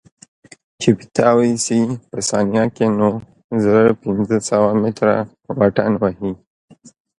چې پټاو سي په ثانيه کښې نو زره پنځه سوه مټره واټن وهي.